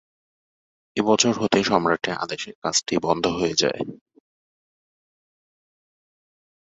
এ বছর হতে সম্রাটের আদেশে কাজটি বন্ধ হয়ে যায়।